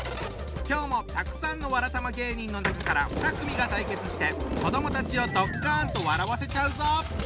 今日もたくさんのわらたま芸人の中から２組が対決して子どもたちをドッカンと笑わせちゃうぞ！